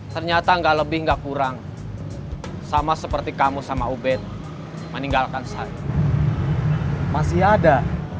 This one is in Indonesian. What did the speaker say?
ternyata nggak lebih nggak kurang sama seperti kamu sama ubed meninggalkan saya masih ada